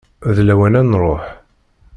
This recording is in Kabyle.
D lawan ad nruḥ.